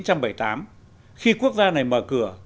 trong năm một nghìn chín trăm bảy mươi tám khi quốc gia này mở cửa